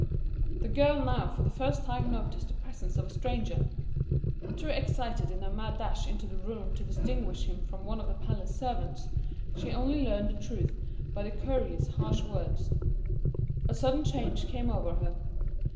The girl now for the first time noticed the presence of a stranger. Too excited in her mad dash into the room to distinguish him from one of the palace servants, she only learned the truth by the courier's harsh words. A sudden change came over her.